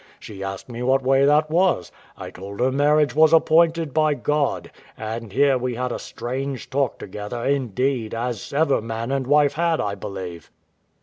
She asked me what way that was; I told her marriage was appointed by God; and here we had a strange talk together, indeed, as ever man and wife had, I believe.